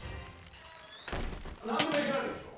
なんでもいけるわけでしょ？